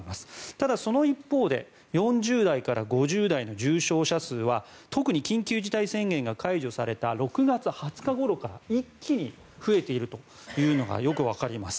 ただ、その一方で４０代から５０代の重症者数は特に緊急事態宣言が解除された６月２０日ごろから一気に増えているというのがよくわかります。